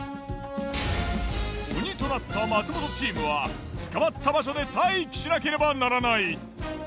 鬼となった松本チームは捕まった場所で待機しなければならない。